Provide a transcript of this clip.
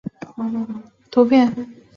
隆吻海蠋鱼的图片